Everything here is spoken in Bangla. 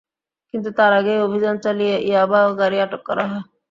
কিন্তু তার আগেই অভিযান চালিয়ে ইয়াবা ও গাড়ি আটক করা হয়।